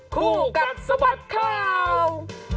คู่กัดสะบัดข่าว